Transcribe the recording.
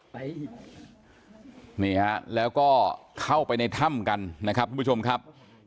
นี่ฮะแล้วก็เข้าไปในถ้ำกันนะครับทุกผู้ชมครับ